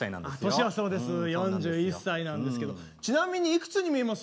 年はそうです４１歳なんですけどちなみにいくつに見えます？